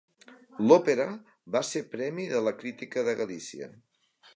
L'òpera va ser Premi de la Crítica de Galícia.